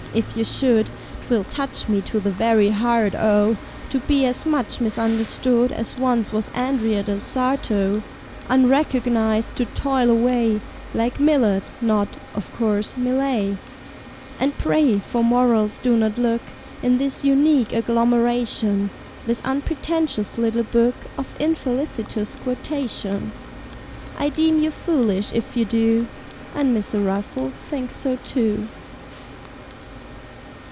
If you should, 'Twill touch me to the very heart oh! To be as much misunderstood As once was Andrea del Sarto; Unrecognized to toil away, Like Millet not, of course, Mill_ais_. And, pray, for Morals do not look In this unique agglomeration, This unpretentious little book Of Infelicitous Quotation. I deem you foolish if you do, (And Mr. Russell thinks so, too).